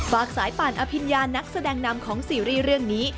สายป่านอภิญญานักแสดงนำของซีรีส์เรื่องนี้